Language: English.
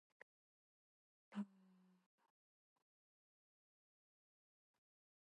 A preliminary hearing is not always required, and its requirement varies by jurisdiction.